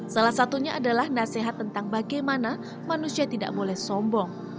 salah satunya adalah nasihat tentang bagaimana manusia tidak boleh sombong